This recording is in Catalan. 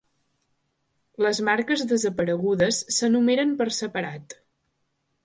Les marques desaparegudes s'enumeren per separat.